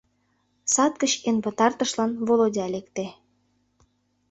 Сад гыч эн пытартышлан Володя лекте.